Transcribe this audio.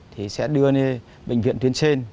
thì sẽ đưa đến bệnh viện tuyến trên